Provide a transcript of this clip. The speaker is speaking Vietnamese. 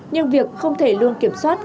nhưng việc không thể luôn kiểm soát